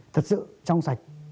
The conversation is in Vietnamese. thật sự trong sạch